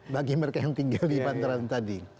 bagi mereka yang tinggal di bantaran tadi